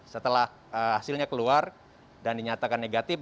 setelah hasilnya keluar dan dinyatakan negatif